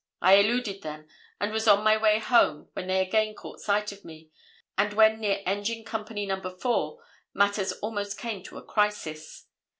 I eluded them, and was on my way home when they again caught sight of me, and when near Engine Company No. 4, matters almost came to a crisis.